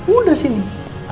udah sih nih